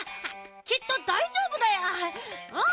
きっとだいじょうぶだようん！